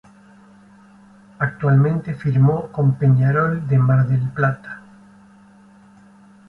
Actualmente firmó con Peñarol de Mar del Plata.